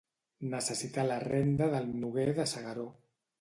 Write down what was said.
Necessitar la renda del Noguer de Segueró.